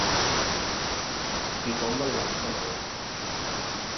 結果什麼都沒有